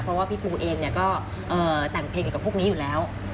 เพราะว่าพี่ภูเองเนี้ยก็เอ่อแต่งเพลงกับพวกนี้อยู่แล้ว